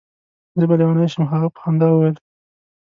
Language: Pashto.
زه به لېونی شم. هغه په خندا وویل.